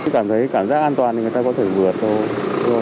cảm thấy cảm giác an toàn thì người ta có thể vượt thôi